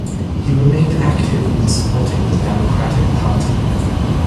He remained active in supporting the Democratic Party.